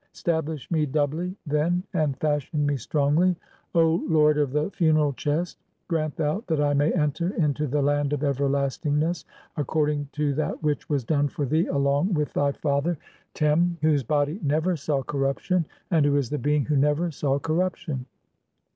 Stablish me doubly, then, "and fashion me strongly, O lord of the funeral chest. Grant "thou that I may enter into the land of everlastingness, accord ing to that which was done for thee (5) along with thy father THE CHAPTER OF NOT LETTING THE BODY PERISH. 283 "Tern, whose body never saw corruption, and who is the being "who never saw corruption.